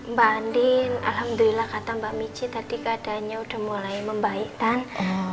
mbak andin alhamdulillah kata mbak mici tadi keadaannya udah mulai membaik kan